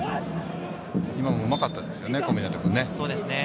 今もうまかったですね、小湊君ね。